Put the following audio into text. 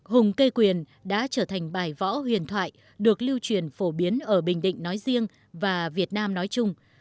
hùng cây quyền đã trở thành bài võ huyền thoại được lưu truyền phổ biến ở bình định nói riêng và việt nam nói chung